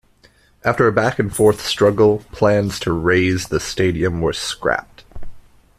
After a back and forth struggle, plans to raze the stadium were scrapped.